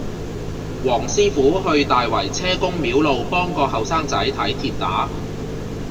黃師傅去大圍車公廟路幫個後生仔睇跌打